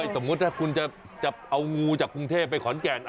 สมมุติถ้าคุณจะเอางูจากกรุงเทพไปขอนแก่น